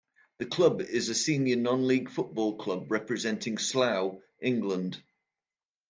The club is a senior non-League football club representing Slough, England.